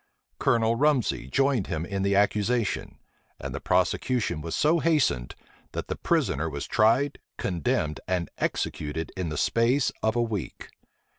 Colonel Rumsey joined him in the accusation; and the prosecution was so hastened, that the prisoner was tried, condemned, and executed in the space of a week.